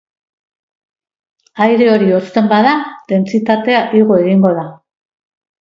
Aire hori hozten bada, dentsitatea igo egingo da.